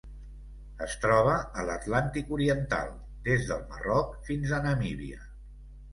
Es troba a l'Atlàntic oriental: des del Marroc fins a Namíbia.